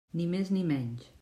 Ni més ni menys.